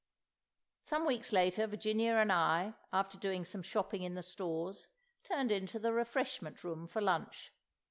Some weeks later Virginia and I, after doing some shopping in the stores, turned into the refreshment room for lunch.